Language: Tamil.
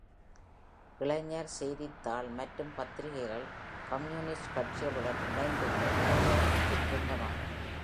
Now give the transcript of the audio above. இளைஞர் செய்தித்தாள் மற்றும் பத்திரிக்கைகள் கம்யூனிஸ்ட் கட்சிகளுடன் இணைந்துள்ள இளைஞர் அணிக்குச் சொந்தமானது.